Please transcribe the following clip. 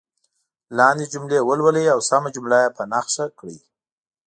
لاندې جملې ولولئ او سمه جمله په نښه کړئ.